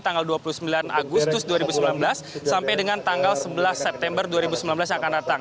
tanggal dua puluh sembilan agustus dua ribu sembilan belas sampai dengan tanggal sebelas september dua ribu sembilan belas yang akan datang